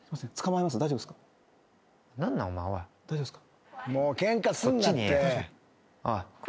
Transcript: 大丈夫っすか？